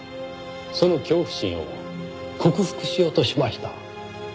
その恐怖心を克服しようとしました。